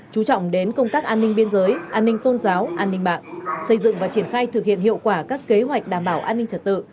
chú trọng đến công tác an ninh biên giới an ninh tôn giáo an ninh mạng xây dựng và triển khai thực hiện hiệu quả các kế hoạch đảm bảo an ninh trật tự